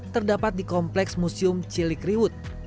terdapat di kompleks museum cilikriwut